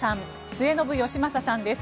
末延吉正さんです。